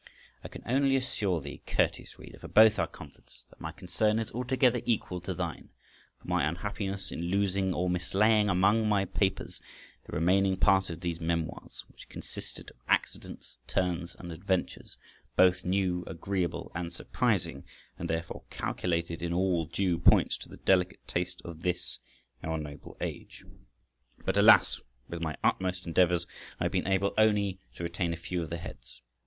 I can only assure thee, courteous reader, for both our comforts, that my concern is altogether equal to thine, for my unhappiness in losing or mislaying among my papers the remaining part of these memoirs, which consisted of accidents, turns, and adventures, both new, agreeable, and surprising, and therefore calculated in all due points to the delicate taste of this our noble age. But alas! with my utmost endeavours I have been able only to retain a few of the heads.